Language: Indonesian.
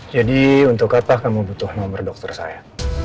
jadi untuk apa kamu butuh nomer dokter saya